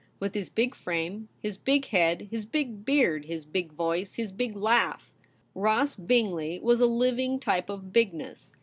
With his big frame, his big head, his big beard, his big voice, his big laugh, Ross Bingley was a living type of bigness.